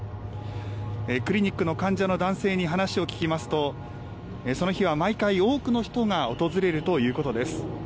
クリニックの患者の男性に話を聞きますと、その日は毎回、多くの人が訪れるということです。